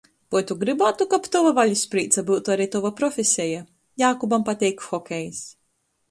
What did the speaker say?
Voi tu grybātu, kab tova valisprīca byutu ari tova profeseja? Jākubam pateik hokejs.